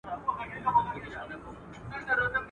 په ما ښکلي په نړۍ کي مدرسې دي.